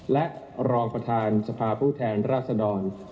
และรองประธานสภาผู้แทนราษดร